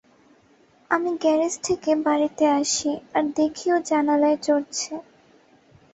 আমি গ্যারেজ থেকে বাড়িতে আসি আর দেখি ও জানালায় চড়ছে।